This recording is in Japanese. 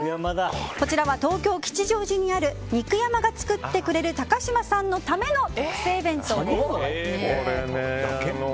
こちらは東京・吉祥寺にある肉山が作ってくれる高嶋さんのための特製弁当です。